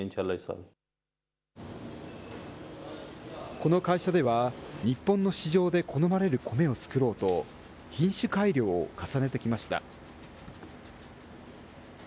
この会社では、日本の市場で好まれる米を作ろうと、品種改良を重ねてきました。